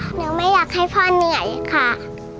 หนูไม่อยากให้พ่อเหนื่อยค่ะ